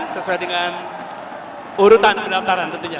sesuai dengan urutan pendaftaran tentunya